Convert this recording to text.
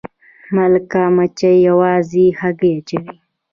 ملکه مچۍ یوازې هګۍ اچوي